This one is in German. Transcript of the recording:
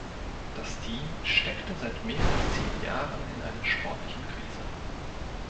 Das Team steckte seit mehr als zehn Jahren in einer sportlichen Krise.